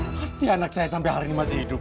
pasti anak saya sampai hari ini masih hidup